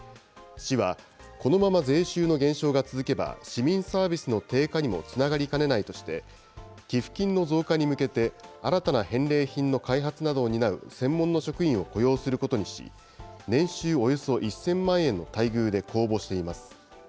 市は、このまま税収の減少が続けば、市民サービスの低下にもつながりかねないとして、寄付金の増加に向けて新たな返礼品の開発などを担う専門の職員を雇用することにし、年収およそ１０００万円の待遇で公募しています。